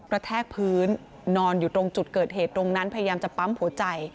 แทกพื้นนอนอยู่ตรงจุดเกิดเหตุตรงนั้นพยายามจะปั๊มหัวใจ